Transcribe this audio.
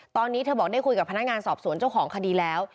ตอนนี้เธอบอกได้คุยกับพนักงานสอบสวนเจ้าของคดีแล้ว